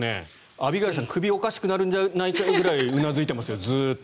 アビガイルさん首がおかしくなるんじゃないかというぐらいうなずいていますよ、ずっと。